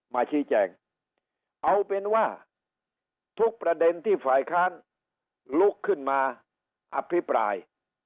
มาชี้แจงเอาเป็นว่าทุกประเด็นที่ฝ่ายค้านลุกขึ้นมาอภิปราย